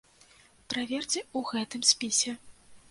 Праверце ў гэтым спісе.